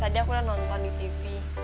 tadi aku udah nonton di tv